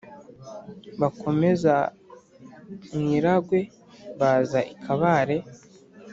Bakomeza mu Iragwe, baza i Kabare,